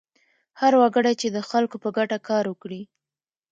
هر وګړی چې د خلکو په ګټه کار وکړي.